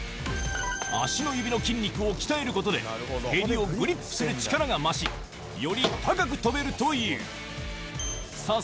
足の指の筋肉を鍛えることで、指をグリップする力が増し、より高く跳べるという。